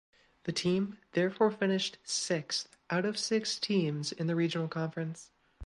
The team therefore finished sixth out of six teams in the regional conference.